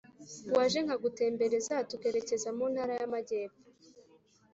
Waje nkagutembereza tukerekeza mu Ntara y’Amajyepfo